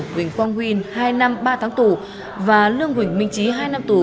huỳnh quang huyên hai năm ba tháng tù và lương huỳnh minh trí hai năm tù